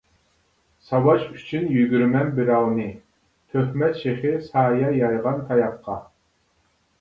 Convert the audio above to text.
ساۋاش ئۈچۈن يۈگۈرىمەن بىراۋنى، تۆھمەت شېخى سايە يايغان تاياققا.